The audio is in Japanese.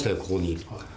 ここに。